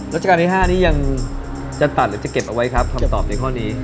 ราชการที่๕นี้ยังจะตัดหรือจะเก็บเอาไว้ครับคำตอบในข้อนี้